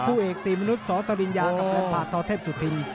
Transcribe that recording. อีกสี่มนุษย์สสริญญากับแผนภาคทเทพสุภิง